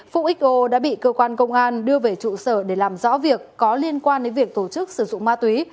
phúc xo đã bị cơ quan công an đưa về trụ sở để làm rõ việc có liên quan đến việc tổ chức sử dụng ma túy